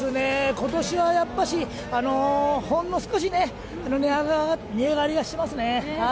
今年はほんの少し値上がりがしてますね。